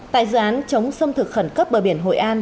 tại dự án chống xâm thực khẩn cấp bờ biển hội an